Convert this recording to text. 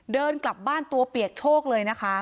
เดินกลับบ้านตัวเปียกโชคเลยนะคะ